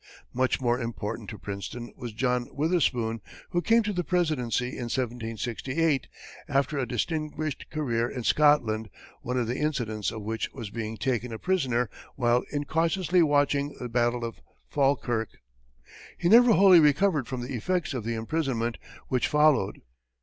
Much more important to Princeton, was John Witherspoon, who came to the presidency in 1768, after a distinguished career in Scotland, one of the incidents of which was being taken a prisoner while incautiously watching the battle of Falkirk. He never wholly recovered from the effects of the imprisonment which followed.